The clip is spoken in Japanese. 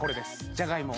じゃがいも